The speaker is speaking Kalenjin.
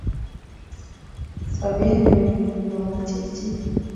Sobet neuni komomoche chi